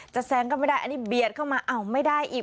แซงก็ไม่ได้อันนี้เบียดเข้ามาอ้าวไม่ได้อีก